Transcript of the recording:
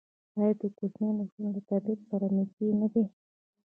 آیا د کوچیانو ژوند له طبیعت سره نږدې نه دی؟